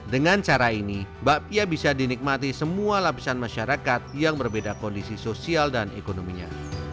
dengan cara ini bakpia bisa dinikmati semua lapisan masyarakat yang berbeda kondisi sosial dan ekonominya